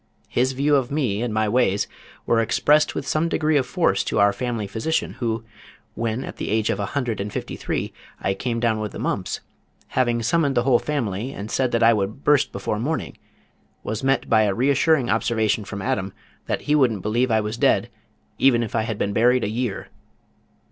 His view of me and my ways were expressed with some degree of force to our family physician who, when at the age of a hundred and fifty three I came down with the mumps, having summoned the whole family and said that I would burst before morning, was met by a reassuring observation from Adam that he wouldn't believe I was dead even if I had been buried a year.